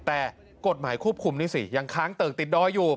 แต่กฎหมายควบคุมนี่สิยังค้างเติกติดดอยอยู่